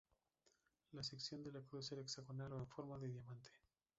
La sección de la cruz era hexagonal o en forma de diamante.